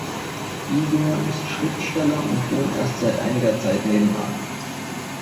Igor ist Schriftsteller und wohnt erst seit einiger Zeit nebenan.